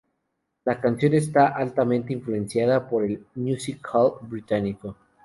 La canción está altamente influenciada por el Music Hall británico.